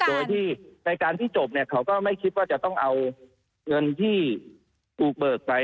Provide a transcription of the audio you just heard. โดยที่ในการที่จบเนี่ยเขาก็ไม่คิดว่าจะต้องเอาเงินที่ถูกเบิกไป